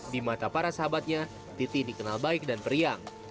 di mata para sahabatnya titi dikenal baik dan periang